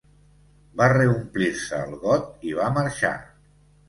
Va reomplir-se el got i va marxar.